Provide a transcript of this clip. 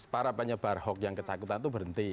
para penyebar hoax yang ketakutan itu berhenti